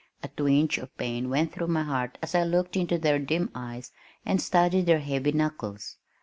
A twinge of pain went through my heart as I looked into their dim eyes and studied their heavy knuckles.